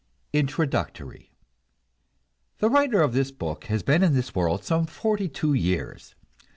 INTRODUCTORY The writer of this book has been in this world some forty two years.